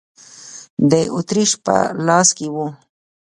د اتریش په لاس کې و.